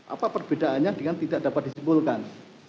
apa perbedaannya dengan tidak dapat disimpulkan